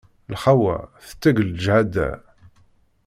Lxawa tettegg leǧhada.